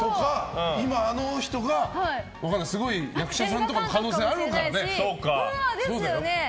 今、あの人がすごい役者さんとかの可能性あるかもしれないし。